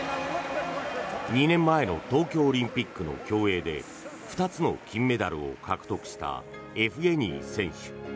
２年前の東京オリンピックの競泳で２つの金メダルを獲得したエフゲニー選手。